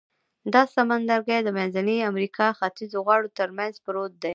دا سمندرګي د منځنۍ امریکا ختیځو غاړو تر منځ پروت دی.